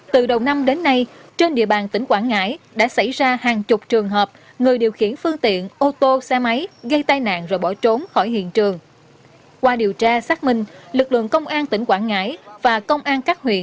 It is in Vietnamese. từ đầu năm đến nay trên địa bàn tỉnh quảng ngãi đã xảy ra hàng chục trường hợp xe ô tô và bốn trường hợp xe ô tô gây tai nạn bỏ chạy